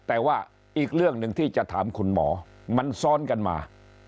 แต่ว่าอีกเรื่องหนึ่งที่จะถามคุณหมอมันซ้อนกันมา